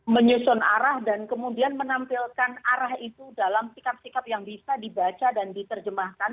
menyusun arah dan kemudian menampilkan arah itu dalam sikap sikap yang bisa dibaca dan diterjemahkan